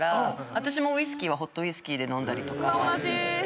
私もウイスキーはホットウイスキーで飲んだりとか。